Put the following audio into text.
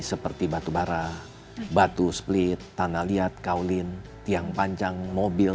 seperti batu bara batu split tanah liat kaulin tiang panjang mobil